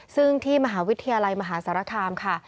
ซึ่งที่มหาวิทยาลัยมหาสารคามค่ะ